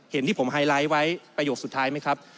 เห็นที่ผมไฮไลท์ไว้ประโยคสุดท้ายไหมครับ